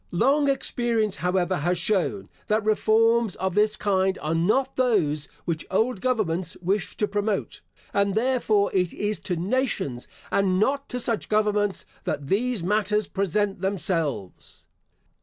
Long experience however has shown, that reforms of this kind are not those which old governments wish to promote, and therefore it is to nations, and not to such governments, that these matters present themselves.